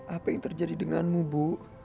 apa yang terjadi denganmu bu